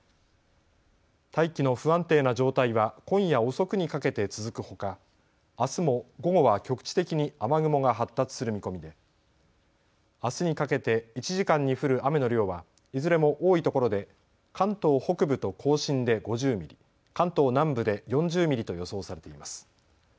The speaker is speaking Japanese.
大気の不安定な状態は今夜遅くにかけて続くほか、あすも午後は局地的に雨雲が発達する見込みであすにかけて１時間に降る雨の量はいずれも多いところで関東北部と甲信で５０ミリ、関東南部で４０ミリと予想されています。